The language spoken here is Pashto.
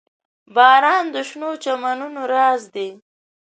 • باران د شنو چمنونو راز دی.